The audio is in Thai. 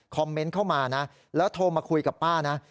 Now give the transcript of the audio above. เมนต์เข้ามานะแล้วโทรมาคุยกับป้านะ